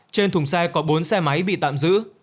trên thùng xe có bốn xe máy bị tạm giữ